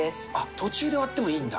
途中で割ってもいいんだ。